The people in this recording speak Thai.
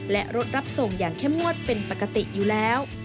และรถรับส่งอย่างเข้มงวดเป็นปกติอยู่แล้ว